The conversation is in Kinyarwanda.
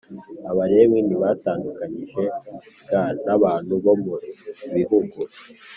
Abalewi ntibitandukanyije g n abantu bo mu bihugu